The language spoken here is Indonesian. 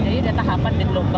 jadi ada tahapan di gelombang